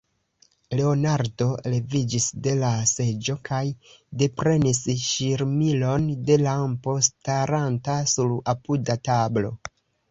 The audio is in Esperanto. Leonardo leviĝis de la seĝo kaj deprenis ŝirmilon de lampo, staranta sur apuda tablo.